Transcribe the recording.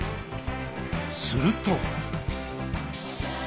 すると。